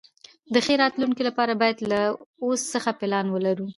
د ښې راتلونکي لپاره باید له اوس څخه پلان ولرو.